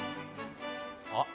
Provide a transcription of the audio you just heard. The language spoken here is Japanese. あっ。